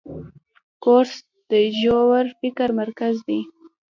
کورس د ژور فکر مرکز دی.